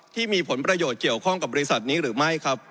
ที่มีผลประโยชน์เกี่ยวข้องกับบริษัทนี้หรือไม่ครับ